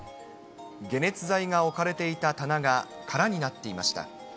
解熱剤が置かれていた棚が空になっていました。